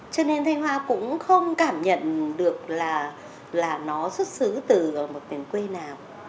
cho nên thanh hoa cũng không cảm nhận được là nó xuất xứ từ một miền quê nào